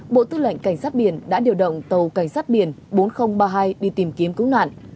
bộ tư lệnh cảnh sát biển đã điều động tàu cảnh sát biển bốn nghìn ba mươi hai đi tìm kiếm cứu nạn